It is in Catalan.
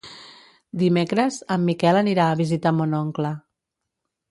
Dimecres en Miquel anirà a visitar mon oncle.